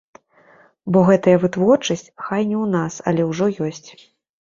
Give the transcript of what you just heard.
Бо гэтая вытворчасць, хай не ў нас, але ўжо ёсць.